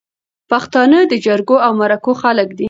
پښتانه د جرګو او مرکو خلک دي